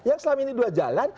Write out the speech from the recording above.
yang selama ini dua jalan